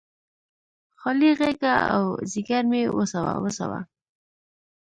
خالي غیږه او ځیګر مې وسوه، وسوه